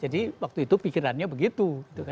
jadi waktu itu pikirannya begitu